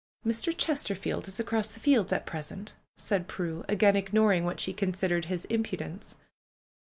"Mr. Chesterfield is across the fields at present," said Prue, again ignoring what she considered his im pudence.